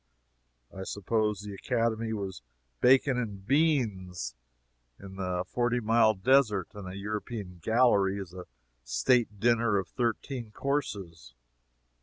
I suppose the Academy was bacon and beans in the Forty Mile Desert, and a European gallery is a state dinner of thirteen courses.